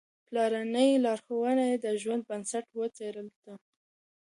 پلارنۍ لارښوونې يې د ژوند بنسټ وګرځېدې.